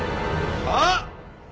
あっ！